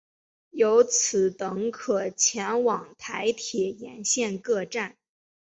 由此等可前往台铁沿线各站。